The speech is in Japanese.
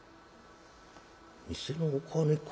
「店のお金か。